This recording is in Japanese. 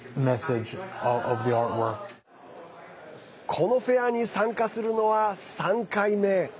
このフェアに参加するのは３回目。